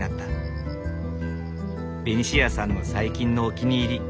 ベニシアさんの最近のお気に入り。